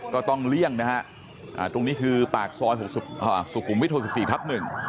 เลี่ยงนะฮะตรงนี้คือปากซอยสุขุมวิทย๑๔ทับ๑